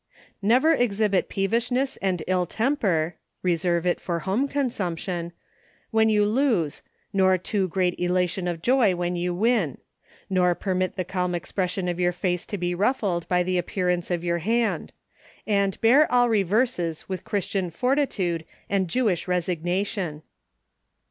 Never exhibit peevishness and ill temper — reserve it for home consumption — when you lose, nor too great elation of joy when you win; nor permit the calm expression of your face to be ruffled by the appearance of your hand; and bear all reverses with Christian fortitude and Jewish resignation.